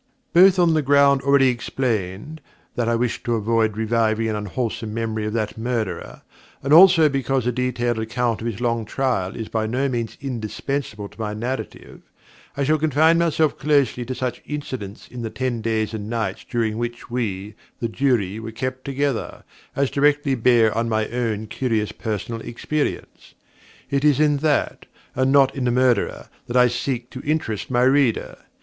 Both on the ground already explained, that I wish to avoid reviving the unwholesome memory of that Murderer, and also because a detailed account of his long trial is by no means indispensable to my narrative, I shall confine myself closely to such incidents in the ten days and nights during which we, the Jury, were kept together, as directly bear on my own curious personal experience. It is in that, and not in the Murderer, that I seek to interest my reader.